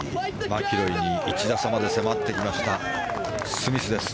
マキロイに１打差まで迫ってきましたスミスです。